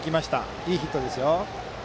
いいヒットですよ。